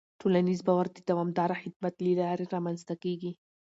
ټولنیز باور د دوامداره خدمت له لارې رامنځته کېږي.